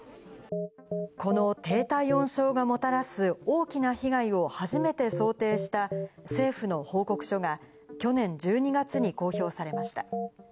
この低体温症がもたらす大きな被害を初めて想定した政府の報告書が、去年１２月に公表されました。